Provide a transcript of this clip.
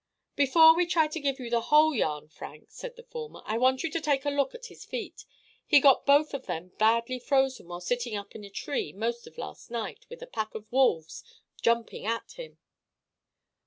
"Before we try to give you the whole yarn, Frank," said the former, "I want you to take a look at his feet. He got both of them badly frozen while sitting up in a tree most of last night with a pack of wolves jumping at him."